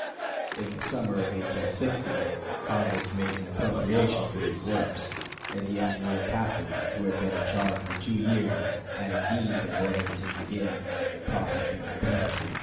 During the summer of 1860 Congress made an appropriation for these works; and the engineer captain who had been in charge for two years had indeed been ordered to begin and prosecute repairs in the two forts.